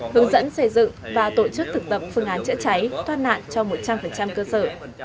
hướng dẫn xây dựng và tổ chức thực tập phương án chữa cháy thoát nạn cho một trăm linh cơ sở